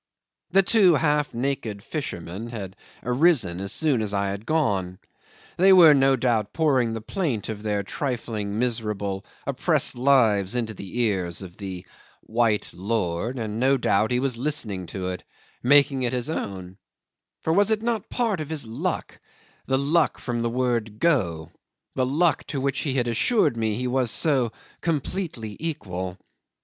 'The two half naked fishermen had arisen as soon as I had gone; they were no doubt pouring the plaint of their trifling, miserable, oppressed lives into the ears of the white lord, and no doubt he was listening to it, making it his own, for was it not a part of his luck the luck "from the word Go" the luck to which he had assured me he was so completely equal?